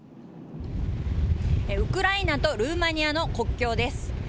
ウクライナとルーマニアの国境です。